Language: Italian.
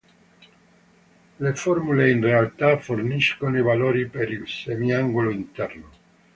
Le formule in realtà forniscono i valori per il semi-angolo interno.